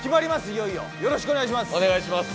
いよいよよろしくお願いします